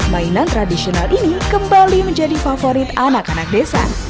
mainan tradisional ini kembali menjadi favorit anak anak desa